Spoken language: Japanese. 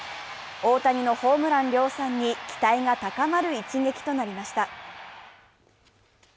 大谷のホームラン量産に期待が高まる一撃となりました。